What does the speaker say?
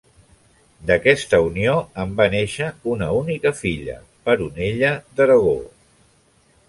D'aquesta unió en va néixer una única filla, Peronella d'Aragó.